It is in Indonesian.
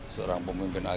seorang pemimpin agama